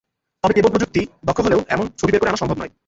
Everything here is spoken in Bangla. তবে কেবল প্রযুক্তি দক্ষ হলেও এমন ছবি বের করে আনা সম্ভব নয়।